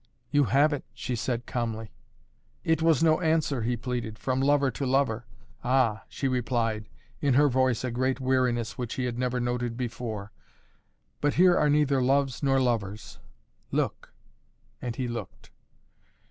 "You have it," she said calmly. "It was no answer," he pleaded, "from lover to lover " "Ah!" she replied, in her voice a great weariness which he had never noted before. "But here are neither loves nor lovers. Look!" And he looked.